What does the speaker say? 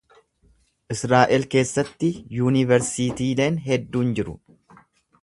Israa’el keessatti yunivarsiitiileen hedduun jiru.